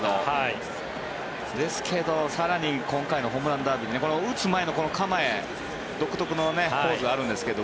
ですけど更に今回のホームランダービー打つ前の構え独特のポーズがあるんですが。